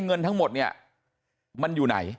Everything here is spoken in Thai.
เงินทั้งหมดเนี่ยมันอยู่ไหน